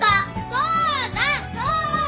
そうだそうだ！